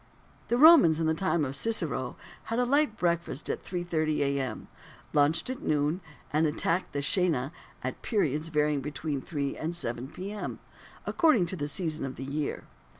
The Romans in the time of Cicero had a light breakfast at 3.30 A.M., lunched at noon, and attacked the coena at periods varying between 3 and 7 P.M. according to the season of the year.